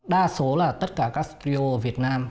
đa số là tất cả các studio việt nam